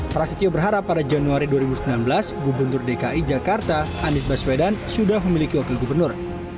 prasetyo berharap pada januari dua ribu sembilan belas gubernur dki jakarta anies baswedan sudah memiliki wakil gubernur